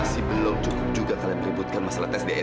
masih belum cukup juga kalian merebutkan masalah test dna itu